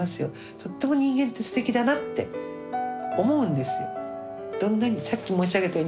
とっても人間ってすてきだなって思うんですよ。